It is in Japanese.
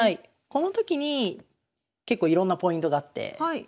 この時に結構いろんなポイントがあって。